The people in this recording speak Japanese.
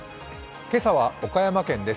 今朝は岡山県です。